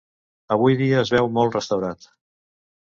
Avui dia es veu molt restaurat.